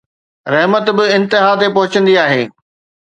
رحمت به انتها تي پهچندي آهي